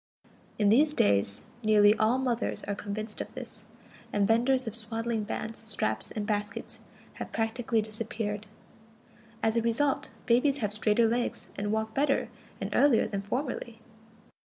In these days nearly all mothers are convinced of this, and vendors of swaddling bands, straps, and baskets have practically disappeared. As a result, babies have straighter legs and walk better and earlier than formerly.